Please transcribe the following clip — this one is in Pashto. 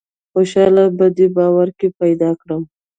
خوشالي په دې باور کې پیدا کړم.